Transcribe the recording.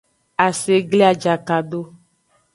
Ase gli ajaka do.